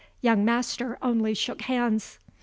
Young Master only shook hands.